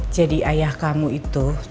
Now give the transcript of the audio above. jadi ayah kamu itu